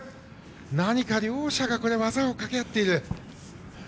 何か、両者が技をかけ合っている。